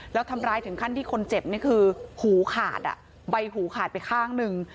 แล้วทำร้ายถึงขั้นที่คนเจ็บนี่คือหูขาดใบหูขาดไปข้างหนึ่ง